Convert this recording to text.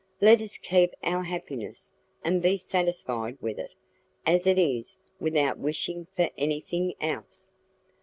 Let us keep our happiness, and be satisfied with it, as it is, without wishing for anything more."